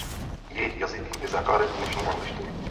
Jejich jazyk je základem dnešní angličtiny.